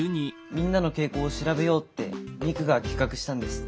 みんなの傾向を調べようってミクが企画したんです。